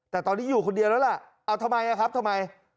แต่ตอนนี้อยู่คนเดียวแล้วล่ะเอาทำไมครับทำไม